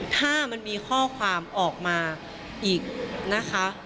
ถ้ามันมีข้อความออกมาอีกนะคะ